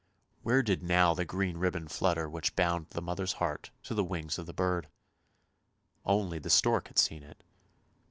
Where did now the green ribbon flutter which bound the mother's heart to the wings of the bird? Only the stork had seen it.